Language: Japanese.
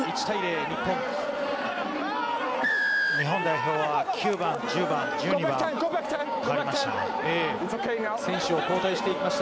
日本代表は９番、１０番１２番、代わりました。